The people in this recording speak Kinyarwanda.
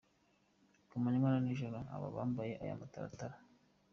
Ku manywa na nijoro aba yambaye aya mataratara.